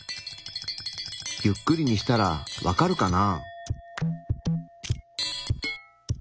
ゆっくりにしたらわかるかな？